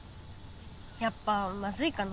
やっぱまずいかな？